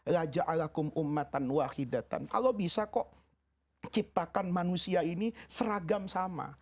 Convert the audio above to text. kalau bisa kok ciptakan manusia ini seragam sama